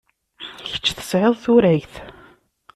Kečč tesɛid turagt.